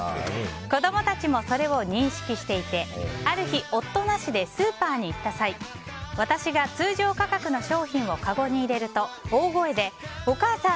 子供たちもそれを認識していてある日、夫なしでスーパーに行った際私が通常価格の商品をかごに入れると大声で、お母さん！